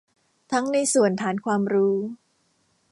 ทั้งในส่วนฐานความรู้